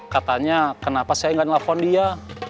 katanya kenapa saya nggak nelfon dia